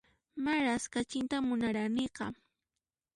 Maras kachitan munaraniqa